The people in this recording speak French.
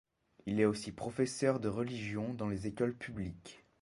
Il est aussi professeur de religion dans les écoles publiques.